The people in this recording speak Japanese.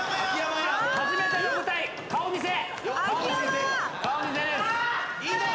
初めての舞台顔見世。